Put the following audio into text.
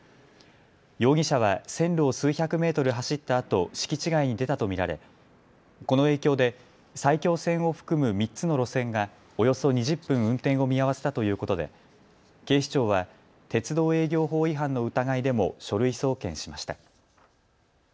容疑者は線路を数百メートル走ったあと敷地外に出たと見られこの影響で埼京線を含む３つの路線がおよそ２０分運転を見合わせたということで警視庁は鉄道営業法違反の疑いでも書類送検しました。